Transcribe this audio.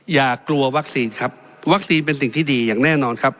อย่ากลัววัคซีนครับวัคซีนเป็นสิ่งที่ดีอย่างแน่นอนครับ